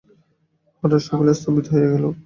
হঠাৎ সকলেই স্তম্ভিত হইয়া গেল।